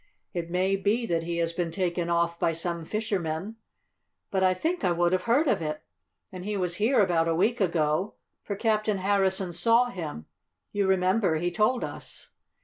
It may be that he has been taken off by some fishermen, but I think I would have heard of it. And he was here about a week ago, for Captain Harrison saw him, you remember he told us.